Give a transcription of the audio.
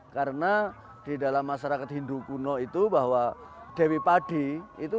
karena di dalam masyarakat hindu kuno itu bahwa dewi padang